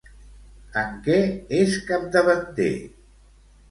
En què és capdavanter?